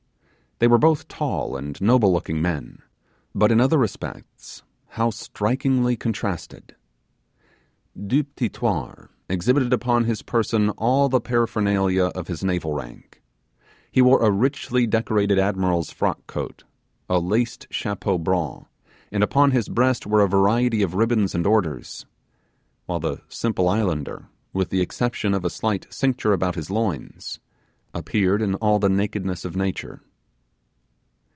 They were both tall and noble looking men; but in other respects how strikingly contrasted! Du Petit Thouars exhibited upon his person all the paraphernalia of his naval rank. He wore a richly decorated admiral's frock coat, a laced chapeau bras, and upon his breast were a variety of ribbons and orders; while the simple islander, with the exception of a slight cincture about his loins, appeared in all the nakedness of nature.